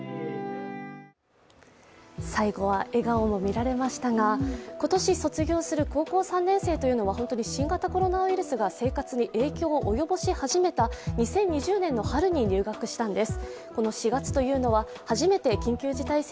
最後は笑顔も見られましたが、今年、卒業する高校３年生というのは新型コロナウイルスが生活に影響を及ぼし始めた２０２０年の春に入学したんです。